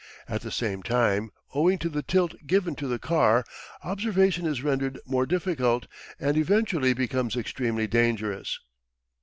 At the same time, owing to the tilt given to the car, observation is rendered more difficult and eventually becomes extremely dangerous.